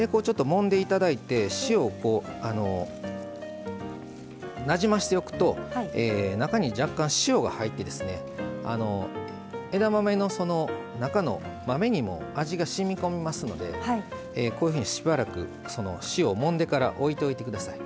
もんでいただいて塩をなじませておくと中に若干、塩が入って枝豆の中の豆にも味がしみこみますのでこういうふうにしばらく塩をもんでから置いておいてください。